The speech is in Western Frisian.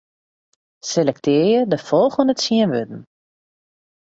Selektearje folgjende tsien wurden.